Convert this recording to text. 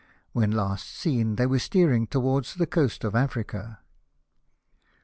When last seen they were steering toward the coast of Africa.